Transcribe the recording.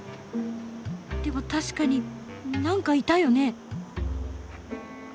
でも確かになんかいたよね。